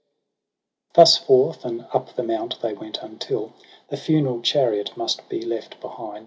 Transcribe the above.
Thus forth and up the mount they went, until The funeral chariot must be left behind.